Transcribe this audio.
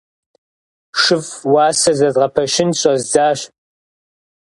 ШыфӀ уасэ зэзгъэпэщын щӀэздзащ.